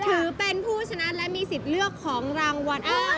ถือเป็นผู้ชนะและมีสิทธิ์เลือกของรางวัล